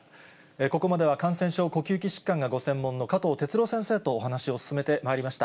ここまでは感染症、呼吸器疾患がご専門の加藤哲朗先生とお話しを進めてまいりました。